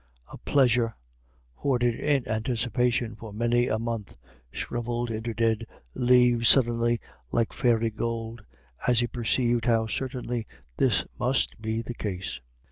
A pleasure, hoarded in anticipation for many a month, shrivelled into dead leaves suddenly like fairy gold, as he perceived how certainly this must be the case.